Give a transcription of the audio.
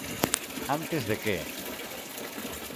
¿Antes de que?